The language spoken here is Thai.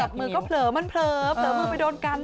จับมือก็เผลอมันเผลอเผลอมือไปโดนกัน